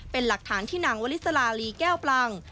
เป็นหลักฐานที่นางวลิสลาลีแก้วปลัง